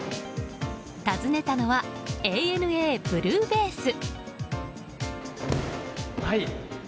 訪ねたのはＡＮＡＢｌｕｅＢａｓｅ。